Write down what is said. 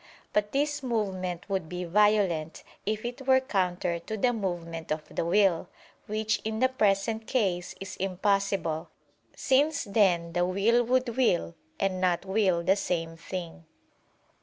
But this movement would be violent, if it were counter to the movement of the will: which in the present case is impossible; since then the will would will and not will the same thing.